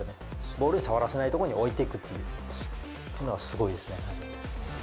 ボールに触らせない所に置いていくっていうのがすごいですね。